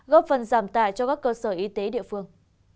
góp phần giảm tải cho các cơ sở y tế địa phương